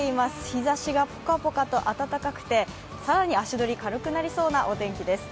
日ざしがポカポカと暖かくて、更に足取り軽くなりそうな怨敵です。